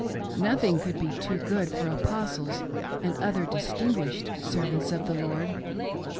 Nothing could be too good for Apostles and other "distinguished" servants of the Lord.